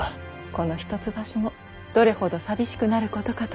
この一橋もどれほど寂しくなることかと。